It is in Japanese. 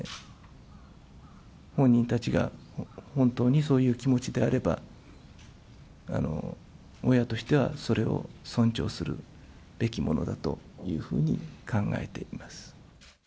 本人たちが本当にそういう気持ちであれば、親としてはそれを尊重するべきものだというふうに考えています。